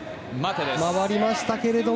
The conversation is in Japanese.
回りましたけれども。